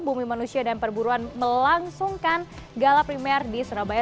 bumi manusia dan perburuan melangsungkan gala primer di surabaya